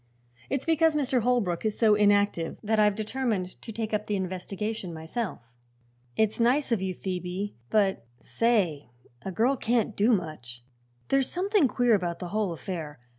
"It's because Mr. Holbrook is so inactive that I've determined to take up the investigation myself." "It's nice of you, Phoebe; but, say a girl can't do much. There's something queer about the whole affair.